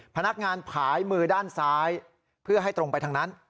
พนักงานผายมือด้านซ้ายเพื่อให้ตรงไปทางนั้น